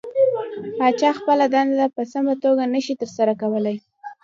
پاچا خپله دنده په سمه توګه نشي ترسره کولى .